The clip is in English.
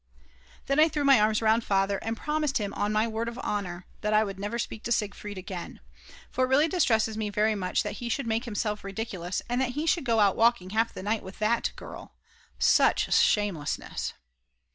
Then I threw my arms round Father and promised him on my word of honour that I would never speak to Siegfried again. For it really distresses me very much that he should make himself ridiculous; and that he should go out walking half the night with that girl; such shamelessness!